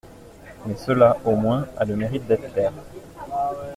Mais cela a au moins le mérite d’être clair.